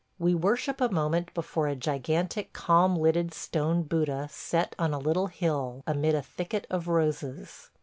... We worship a moment before a gigantic, calm lidded stone Buddha set on a little hill, amid a thicket of roses.